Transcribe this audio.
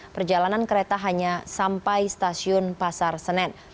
perjalanan kereta hanya sampai stasiun pasar senen